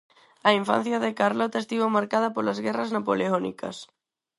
A infancia de Carlota estivo marcada polas Guerras Napoleónicas.